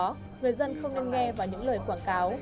người dân không nên nghe vào những lời quảng cáo